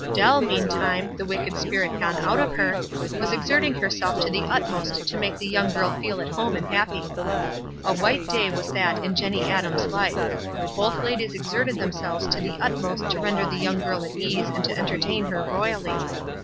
Dell, meantime — the wicked spirit gone out of her — was exerting herself to the utmost to make the young girl feel at home and happy. A white day was that in Jenny Adams' life. Both ladies exerted themselves to the utmost to render the young girl at ease and to entertain her royally.